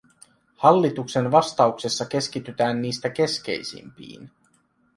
Hallituksen vastauksessa keskitytään niistä keskeisimpiin.